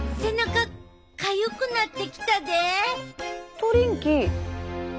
トリンキー。